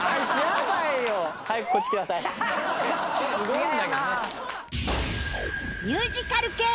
すごいんだけどね。